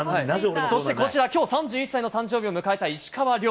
そしてこちら、きょう３１歳の誕生日を迎えた石川遼。